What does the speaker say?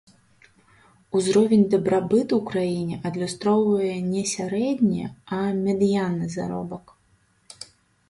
Узровень дабрабыту ў краіне адлюстроўвае не сярэдні, а медыянны заробак.